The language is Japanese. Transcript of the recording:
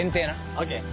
ＯＫ。